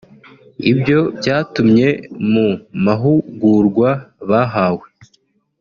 Ibyo byatumye mu mahugurwa bahawe